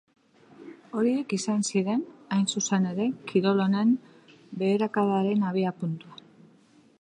Horiek izan ziren, hain zuzen ere, kirol honen beherakadaren abiapuntua.